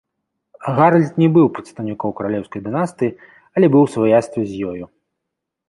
Гаральд не быў прадстаўніком каралеўскай дынастыі, але быў у сваяцтве з ёю.